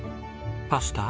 パスタ？